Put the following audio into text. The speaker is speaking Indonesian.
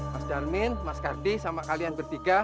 mas dharmin mas karti sama kalian berdiga